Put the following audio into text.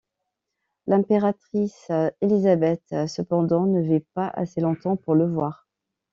L'impératrice Élisabeth, cependant, ne vit pas assez longtemps pour le voir.